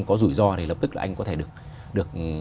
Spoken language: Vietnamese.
có rủi ro thì lập tức là anh có thể được